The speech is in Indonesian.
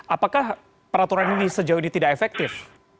apakah peraturan ini sejauh ini tidak efektif